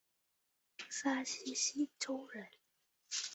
山西忻州人。